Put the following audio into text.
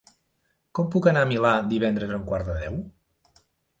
Com puc anar al Milà divendres a un quart de deu?